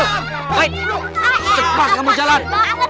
cepat kamu jalan